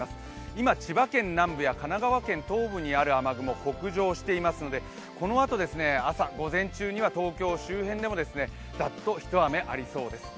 今、千葉県南部や神奈川県東部にある雨雲北上していますのでこのあと、朝、午前中には東京周辺でもざっと一雨ありそうです。